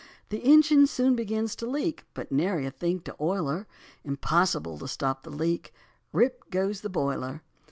The engine soon begins to squeak, But nary a thing to oil her; Impossible to stop the leak, Rip, goes the boiler.